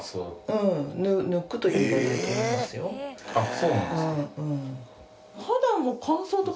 そうなんですか。